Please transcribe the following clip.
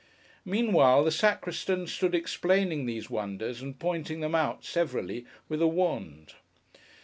Meanwhile, the Sacristan stood explaining these wonders, and pointing them out, severally, with a wand.